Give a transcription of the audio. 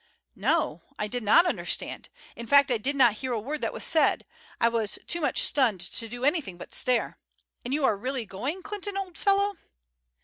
"No, I did not understand; in fact I did not hear a word that was said. I was too much stunned to do anything but stare. And you are really going, Clinton, old fellow?"